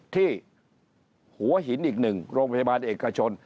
ที่หัวหินอีกหนึ่งโรงพยาบาลเอกชน